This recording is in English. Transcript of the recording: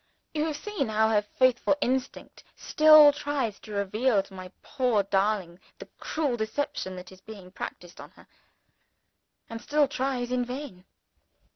You have seen how her faithful instinct still tries to reveal to my poor darling the cruel deception that is being practiced on her and still tries in vain.